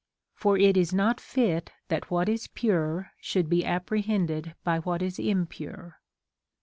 For it is not fit that what is pure should be apprehended by what is impure."